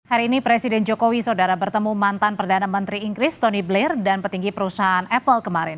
hari ini presiden jokowi saudara bertemu mantan perdana menteri inggris tony blair dan petinggi perusahaan apple kemarin